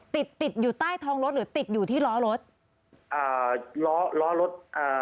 ติดติดอยู่ใต้ท้องรถหรือติดอยู่ที่ล้อรถอ่าล้อล้อรถอ่า